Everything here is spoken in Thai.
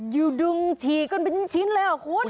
อยู่ดึงฉี่กันเป็นชิ้นเลยเหรอคุณ